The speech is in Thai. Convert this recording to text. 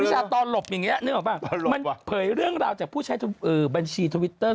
ชาตอนหลบอย่างนี้นึกออกป่ะมันเผยเรื่องราวจากผู้ใช้บัญชีทวิตเตอร์